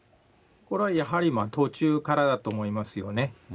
これはやはり、途中からだと思いますよね。